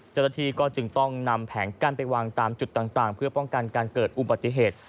เจ้าหน้าที่ก็จึงต้องนำแผงกั้นไปวางตามจุดต่างเพื่อป้องกันการเกิดอุบัติเหตุ